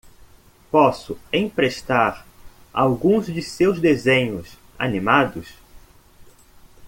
Posso emprestar alguns de seus desenhos animados?